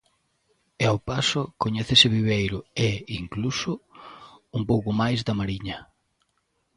E ao paso coñécese Viveiro e, incluso, un pouco máis da Mariña.